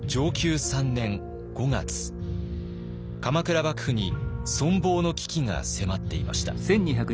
鎌倉幕府に存亡の危機が迫っていました。